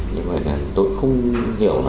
nhưng mà tôi không hiểu là